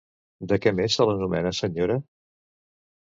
De què més se l'anomena senyora?